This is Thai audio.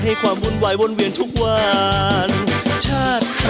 ที่ว่าไม่ชอบมองที่ว่าไม่ชอบเห็นมัน